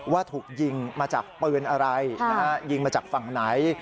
ว่าถูกยิงมาจากปืนอะไรยิงมาจากฝั่งไหน